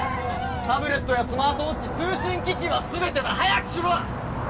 タブレットやスマートウォッチ通信機器はすべてだ早くしろ！